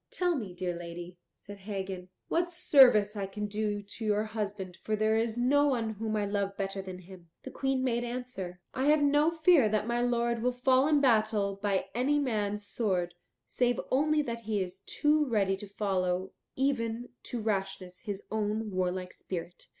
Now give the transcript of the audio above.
"Tell me, dear lady," said Hagen, "what service I can do to your husband, for there is no one whom I love better than him." The Queen made answer, "I have no fear that my lord will fall in battle by any man's sword, save only that he is too ready to follow even to rashness his own warlike spirit."